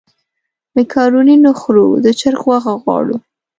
مېکاروني نه خورو د چرګ غوښه غواړو.